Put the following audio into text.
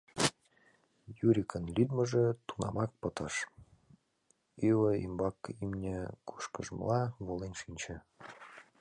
Юрикын лӱдмыжӧ тунамак пытыш, ӱвӧ ӱмбак имне кушкыжмыла волен шинче.